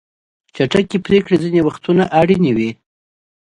چټک پریکړې ځینې وختونه اړینې وي.